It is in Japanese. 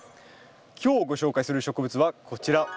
今日ご紹介する植物はこちら。